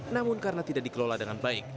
namun karena tidak dikelola dengan baik